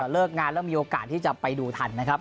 เลิกงานแล้วมีโอกาสที่จะไปดูทันนะครับ